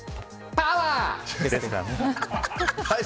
パワー！